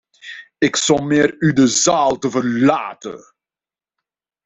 Ik sommeer u de zaal te verlaten!